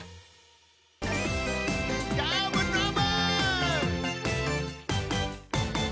どーもどーも！